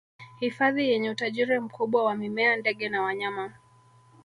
hifadhi yenye utajiri mkubwa wa mimea ndege na wanyama